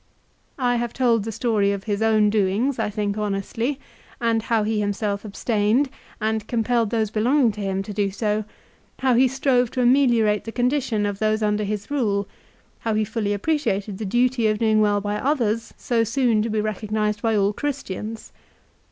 I have told the story of his own doings I think honestly, and how he himself abstained, and compelled those belonging to him to do so ; how he strove to ameliorate the condition of those under his rule ; how he fully appreciated the duty of doing well by others, so soon to be recognised by all Christians.